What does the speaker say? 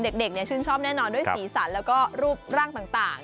เด็กชื่นชอบแน่นอนด้วยสีสันแล้วก็รูปร่างต่าง